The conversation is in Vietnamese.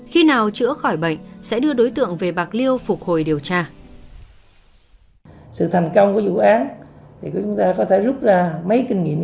khi nào chữa khỏi bệnh sẽ đưa đối tượng về bạc liêu phục hồi điều tra